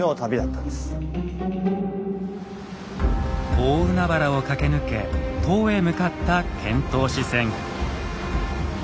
大海原を駆け抜け唐へ向かった遣唐使船。